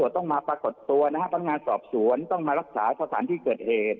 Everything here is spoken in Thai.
ต้องมาปรากฏตัวต้องมารักษาสถานที่เกิดเหตุ